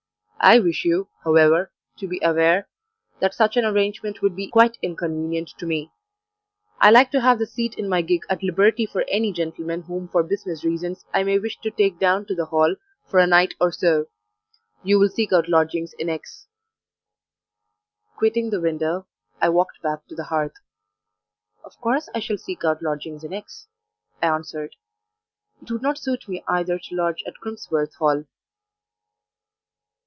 I wish you, however, to be aware that such an arrangement would be quite inconvenient to me. I like to have the seat in my gig at liberty for any gentleman whom for business reasons I may wish to take down to the hall for a night or so. You will seek out lodgings in X ." Quitting the window, I walked back to the hearth. "Of course I shall seek out lodgings in X ," I answered. "It would not suit me either to lodge at Crimsworth Hall."